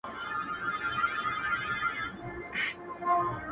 o راسه بیا يې درته وایم، راسه بیا مي چليپا که،